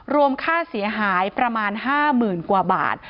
รวมค่าเสียหายประมาณห้ามื่นกว่าบาท